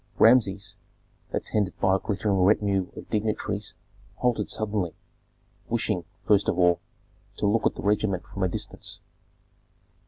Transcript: Rameses, attended by a glittering retinue of dignitaries, halted suddenly, wishing, first of all, to look at the regiment from a distance.